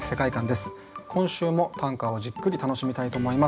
今週も短歌をじっくり楽しみたいと思います。